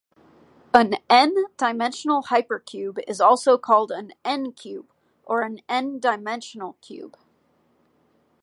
An "n"-dimensional hypercube is also called an n"-cube or an n"-dimensional cube.